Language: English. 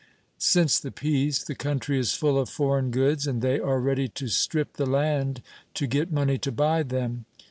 Since the peace, the country is full of foreign goods, and they are ready to strip the land to get money to buy them.